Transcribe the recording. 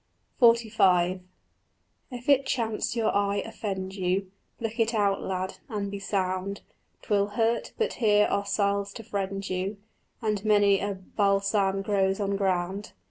XLV If it chance your eye offend you, Pluck it out, lad, and be sound: 'Twill hurt, but here are salves to friend you, And many a balsam grows on ground.